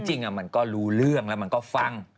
จริงมันก็รู้เรื่องแล้วมันก็ฟัง